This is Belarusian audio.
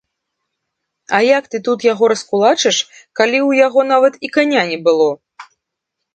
А як ты тут яго раскулачыш, калі ў яго нават і каня не было?